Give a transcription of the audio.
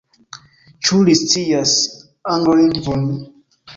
Ĉu li scias Anglolingvon?